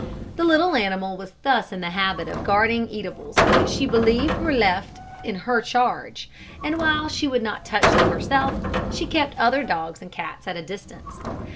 The little animal was thus in the habit of guarding eatables which she believed were left in her charge; and while she would not touch them herself, she kept other dogs and cats at a distance.